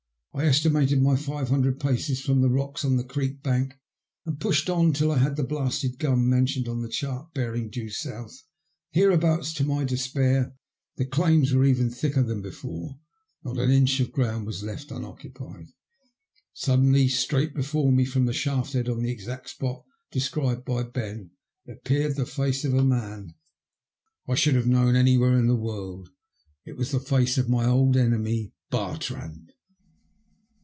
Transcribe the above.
I estimated my five hundred paces from the rocks on the creek bank, and pushed on until I had the blasted gum, mentioned on the chart, bearing due south. Hereabouts, to my despair, the claims were even thicker than before — ^not an inch of ground was left unoccupied. Suddenly, straight before me, from a shaft head on the exact spot described by Ben, appeared the face of a man / 26 THE LUST OF HATE. I sboold have known anywhere in the world — ^it was the face of my old enemy Bartrand.